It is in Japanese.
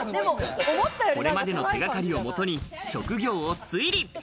これまでの手掛かりをもとに職業を推理。